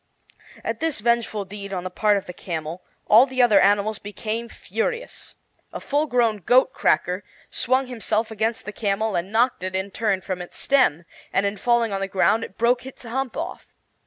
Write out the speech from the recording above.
At this vengeful deed on the part of the camel all the other animals became furious. A full grown goat cracker swung himself against the camel and knocked it, in turn, from its stem; and in falling on the ground it broke its hump off.